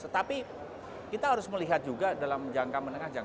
tetapi kita harus melihat juga dalam jangka pendeknya ini ya pak